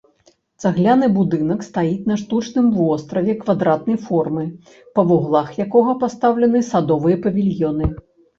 Цагляны будынак стаіць на штучным востраве квадратнай формы, па вуглах якога пастаўлены садовыя павільёны.